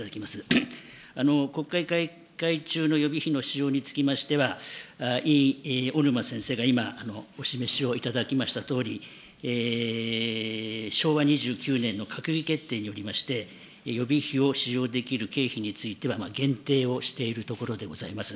国会開会中の予備費の使用につきましては、委員、小沼先生が今、お示しをいただきましたとおり、昭和２９年の閣議決定によりまして、予備費を使用できる経費については限定をしているところでございます。